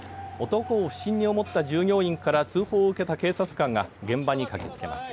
男を不審に思った従業員から通報を受けた警察官が現場に駆けつけます。